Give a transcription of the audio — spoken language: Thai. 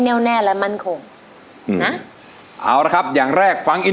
โปรดติดตามต่อไป